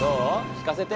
聞かせて。